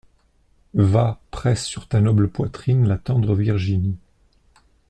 Va, presse sur ta noble poitrine la tendre Virginie.